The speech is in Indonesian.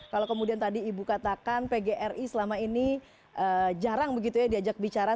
kalau kemudian tadi ibu katakan pgri selama ini jarang begitu ya diajak bicara